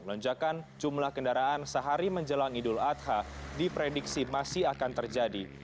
lonjakan jumlah kendaraan sehari menjelang idul adha diprediksi masih akan terjadi